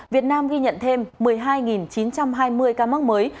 việt nam ghi nhận thêm một mươi hai chín trăm hai mươi ca mắc mới